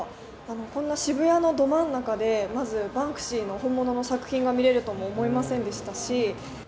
こんな渋谷のど真ん中で、まず、バンクシーの本物の作品が見れるとも思いませんでしたし。